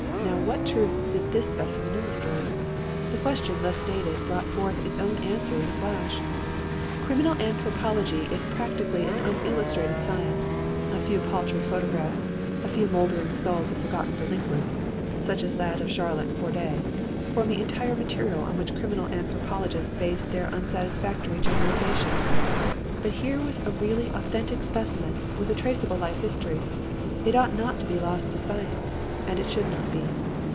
Now what truth did this specimen illustrate? The question, thus stated, brought forth its own answer in a flash. "Criminal anthropology is practically an unillustrated science. A few paltry photographs, a few mouldering skulls of forgotten delinquents (such as that of Charlotte Corday), form the entire material on which criminal anthropologists base their unsatisfactory generalizations. But here was a really authentic specimen with a traceable life history. It ought not to be lost to science. And it should not be.